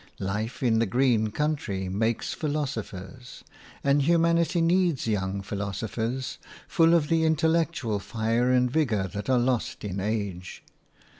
Life in the green country makes philosophers, and humanity needs young philosophers, full of the intellectual fire and vigour that are lost in age.